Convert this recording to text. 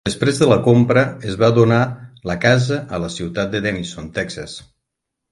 Després de la compra, es va donar la casa a la ciutat de Denison, Texas.